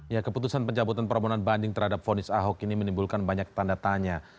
ya keputusan pencabutan permohonan banding terhadap fonis ahok ini menimbulkan banyak tanda tanya